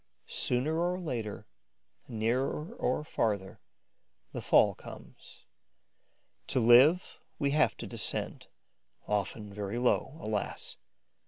Sooner or later, nearer or farther, the fall comes. To live, we have to descend, often very low, alas!